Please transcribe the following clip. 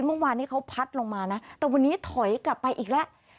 เมื่อวานนี้เขาพัดลงมานะแต่วันนี้ถอยกลับไปอีกแล้ว